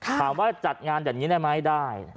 คำว่าจัดงานแบบนี้ได้ไหมได้